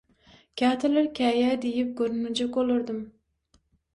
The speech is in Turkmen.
Käteler käýýär diýip görünmejek bolardym.